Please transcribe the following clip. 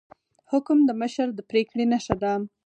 حکم د مشر د پریکړې نښه ده